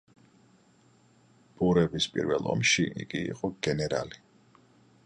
ბურების პირველ ომში იგი იყო გენერალი.